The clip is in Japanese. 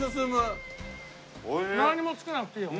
なんにもつけなくていいよ